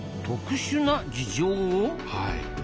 はい。